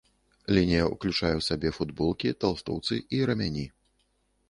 Лінія ўключае ў сябе футболкі, талстоўцы і рамяні.